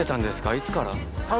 いつから？